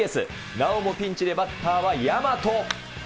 なおもピンチでバッターは大和。